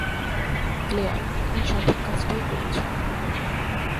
Claire, তুমি সঠিক কাজটাই করছো।